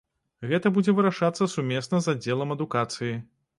Гэта будзе вырашацца сумесна з аддзелам адукацыі.